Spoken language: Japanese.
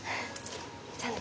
じゃあね。